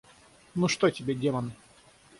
Ну что тебе Демон?